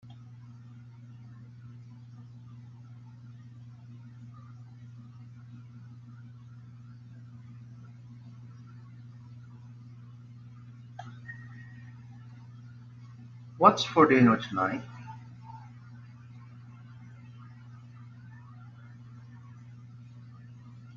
What's for dinner tonight?